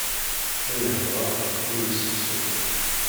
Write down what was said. Wa ihedder, wa yessusum.